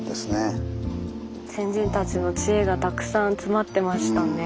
先人たちの知恵がたくさん詰まってましたね。